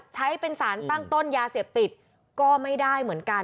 ใช้เป็นสารตั้งต้นยาเสพติดก็ไม่ได้เหมือนกัน